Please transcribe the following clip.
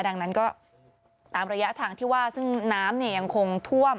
ดังนั้นก็ตามระยะทางที่ว่าซึ่งน้ำยังคงท่วม